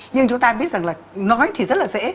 nhưng chúng ta biết rằng là nói thì rất là dễ